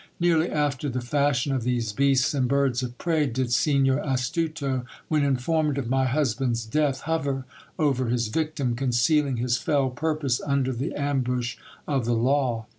Nearly after the fashion of these beasts and birds of prey, did Signor Astuto, when informed of my husband's death, hover over his victim, concealing his fell purpose under the ambush of the law.